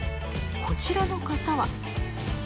こちらの方は。